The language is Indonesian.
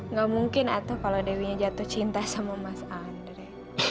nggak mungkin atau kalau dewinya jatuh cinta sama mas andre